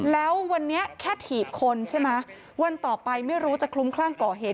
แล้ววันนี้แค่ถีบคนใช่ไหมวันต่อไปไม่รู้จะคลุ้มคลั่งก่อเหตุ